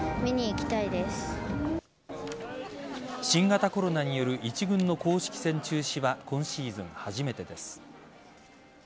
新型コロナによる一軍の公式戦中止は今シーズン初めてです。